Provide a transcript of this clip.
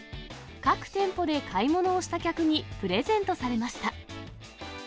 各店舗で買い物をした客にプレゼントされました。